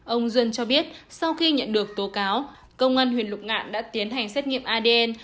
ông duân cho biết sau khi nhận được tố cáo công an huyện lục ngạn đã tiến hành xét nghiệm adn